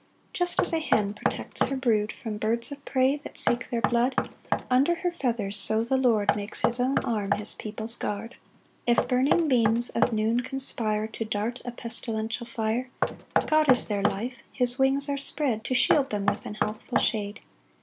4 Just as a hen protects her brood From birds of prey that seek their blood, Under her feathers, so the Lord Makes his own arm his people's guard. 5 If burning beams of noon conspire To dart a pestilential fire, God is their life; his wings are spread To shield them with an healthful shade.